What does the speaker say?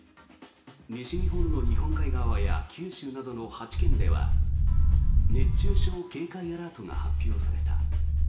西日本の日本海側や九州などの８県では熱中症警戒アラートが発表された。